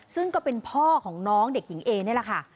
ซึ่งก็เป็นพ่อของน้องเด็กหญิงเอนี่แหละค่ะ